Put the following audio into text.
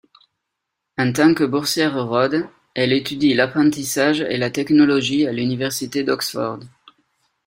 En tant que boursière Rhodes, elle étudie l'apprentissage et la technologie à l'Université d'Oxford.